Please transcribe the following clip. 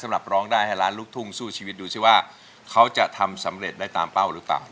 สำหรับร้องได้แห่งร้านฤกษ์ถุงช่วยชีวิตนี่ว่าเขาจะทำสำเร็จได้ตามเป้าหรือต่าง